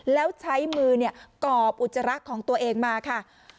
แล้วใช้มือกรอบอุจจาระของตัวเองมาค่ะ